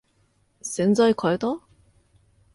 洗剤かえた？